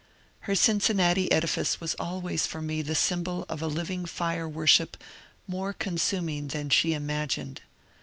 Her Cincinnati edifice was always for me the symbol of a living fire worship more consuming than she imagined.